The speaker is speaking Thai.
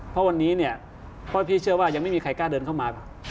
เพราะวันนี้เนี่ยพ่อพี่เชื่อว่ายังไม่มีใครกล้าเดินเข้ามา